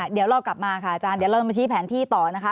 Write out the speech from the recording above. เดี๋ยวเรากลับมาค่ะอาจารย์เดี๋ยวเรามาชี้แผนที่ต่อนะคะ